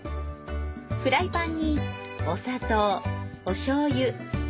フライパンにお砂糖おしょうゆ